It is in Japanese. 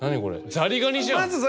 ザリガニじゃん。